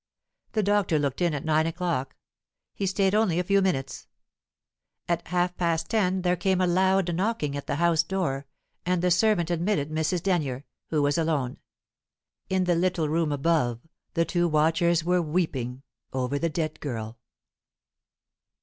The doctor looked in at nine o'clock. He stayed only a few minutes. At half past ten there came a loud knocking at the house door, and the servant admitted Mrs. Denyer, who was alone. In the little room above, the two watchers were weeping over the dead girl.